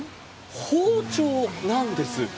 包丁なんです。